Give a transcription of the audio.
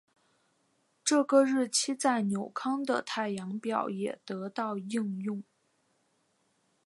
这个日期在纽康的太阳表也得到应用。